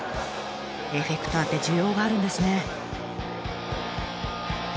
エフェクターって需要があるんですね。